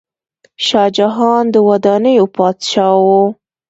شاه جهان د ودانیو پاچا و.